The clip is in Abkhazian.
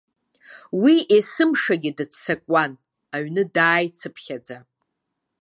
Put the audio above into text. Уи есымшагьы дыццакуан, аҩны дааицыԥхьаӡа.